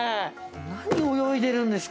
何泳いでるんですか？